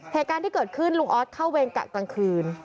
เหตุการณ์ที่เกิดขึ้นลุงออสเข้าเวรกะกลางคืน